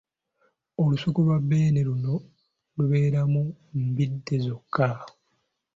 Olusuku lwa Beene luno lubeeramu mbidde zokka.